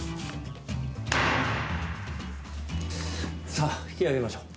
さあ引き揚げましょう。